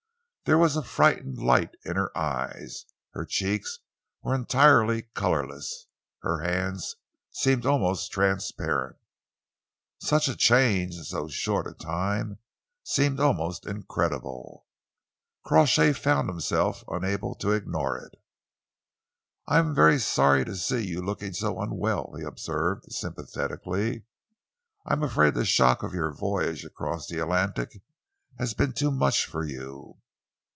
There was a frightened light in her eyes, her cheeks were entirely colourless, her hands seemed almost transparent. Such a change in so short a time seemed almost incredible. Crawshay found himself unable to ignore it. "I am very sorry to see you looking so unwell," he observed sympathetically. "I am afraid the shock of your voyage across the Atlantic has been too much for you."